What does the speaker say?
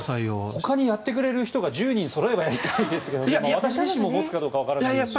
ほかにやってくれる人が１０人そろえばやりたいですけど私自身も持つかどうかわからないですし。